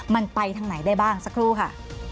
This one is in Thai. มันไปทางไหนได้บ้างสักครู่ค่ะ